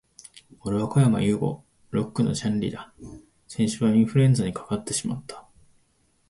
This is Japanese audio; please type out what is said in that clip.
俺はこやまゆうご。Lock のジャンリだ。先週はインフルエンザにかかってしまった、、、